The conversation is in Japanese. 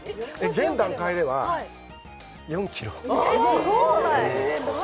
現段階では４ｋｇ。